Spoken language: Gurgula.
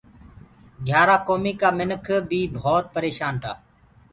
گھِيآرآ ڪوميٚ ڪآ منِک بيٚ ڀوت پريشآن تآ